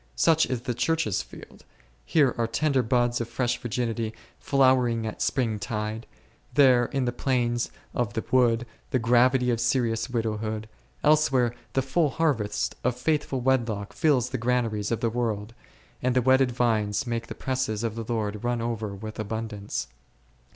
Such is the Church's field ; here are tender buds of fresh virginity flowering at spring tide, there in the plains of the wood the gravity of serious widowhood, elsewhere the full harvest of faithful wedlock fills the granaries of the world, and the wedded vines make the presses of the Lord run over with abundance.